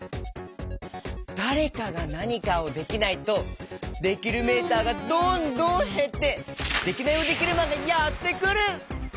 だれかがなにかをできないとできるメーターがどんどんへってデキナイヲデキルマンがやってくる！